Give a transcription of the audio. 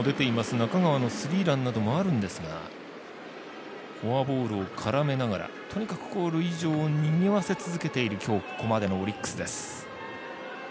中川のスリーランなどもあるんですがフォアボールを絡めながらとにかく塁上をにぎわせ続けている今日、ここまでのオリックスです。